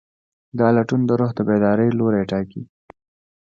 دا لټون د روح د بیدارۍ لوری ټاکي.